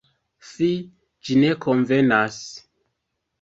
Fi, ĝi ne konvenas!